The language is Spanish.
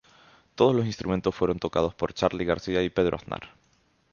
Todos los instrumentos fueron tocados por Charly García y Pedro Aznar.